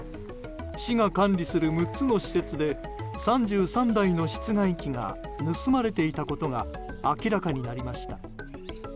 市が管理する６つの施設で３３台の室外機が盗まれていたことが明らかになりました。